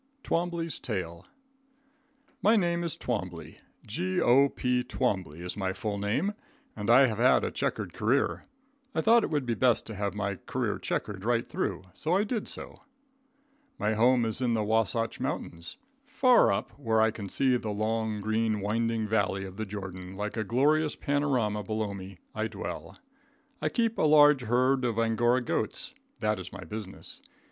Twombley's Tale. My name is Twombley, G.O.P. Twombley is my full name and I have had a checkered career. I thought it would be best to have my career checked right through, so I did so. My home is in the Wasatch Mountains. Far up, where I can see the long, green, winding valley of the Jordan, like a glorious panorama below me, I dwell. I keep a large herd of Angora goats. That is my business.